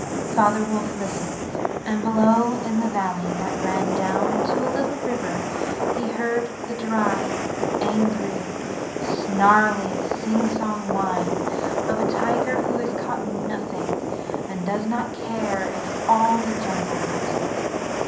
Father Wolf listened, and below in the valley that ran down to a little river, he heard the dry, angry, snarly, singsong whine of a tiger who has caught nothing and does not care if all the jungle knows it.